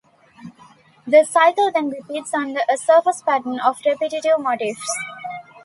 The cycle then repeats under a surface pattern of repetitive motifs.